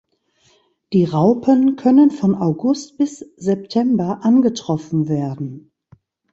Die Raupen können von August bis September angetroffen werden.